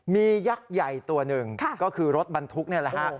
มียักษ์ใหญ่ตัวหนึ่งก็คือรถบรรทุกนี่แหละฮะ